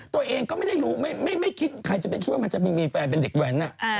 ตัวเองก็ไม่ได้รู้ไม่คิดใครจะไปคิดว่ามันจะมีแฟนเป็นเด็กแว้น